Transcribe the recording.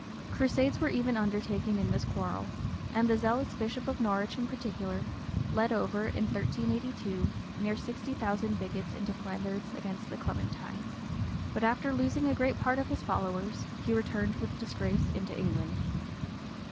Crusades were even undertaken in this quarrel; and the zealous bishop of Norwich, in particular, led over, in 1382 near sixty thousand bigots into Flanders against the Clementines; but after losing a great part of his followers, he returned with disgrace into England.